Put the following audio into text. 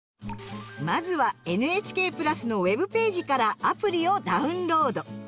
まずは「ＮＨＫプラス」のウェブページからアプリをダウンロード。